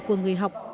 của người học